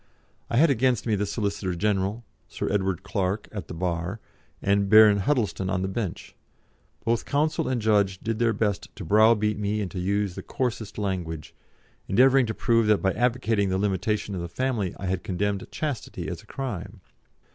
I had against me the Solicitor General, Sir Edward Clarke, at the bar, and Baron Huddleston on the bench; both counsel and judge did their best to browbeat me and to use the coarsest language, endeavouring to prove that by advocating the limitation of the family I had condemned chastity as a crime.